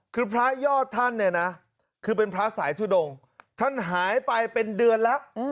คือพระยอดท่านเนี่ยนะคือเป็นพระสายทุดงท่านหายไปเป็นเดือนแล้ว